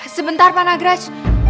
sebentar pak nagraj